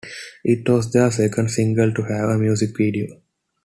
It was their second single to have a music video.